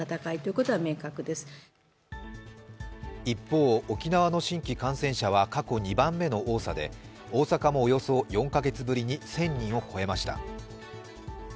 一方、沖縄の新規感染者は過去２番目の多さで大阪もおよそ４カ月ぶりに１０００人を超えました。